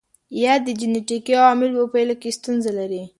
یا د جنېټیکي عواملو په پایله کې ستونزه لري.